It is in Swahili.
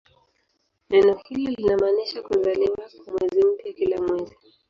Neno hilo linamaanisha "kuzaliwa" kwa mwezi mpya kila mwezi.